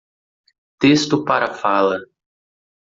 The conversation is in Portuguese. Texto para fala.